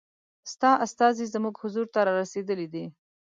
ستا استازی زموږ حضور ته را رسېدلی دی.